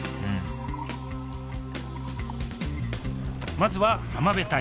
まずは浜辺隊。